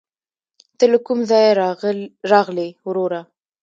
ته له کوم ځايه راغلې ؟ وروره